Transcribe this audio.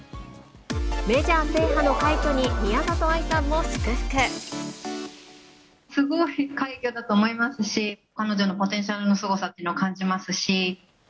メジャー制覇の快挙に、すごい快挙だと思いますし、彼女のポテンシャルのすごさっていうのを感じますし。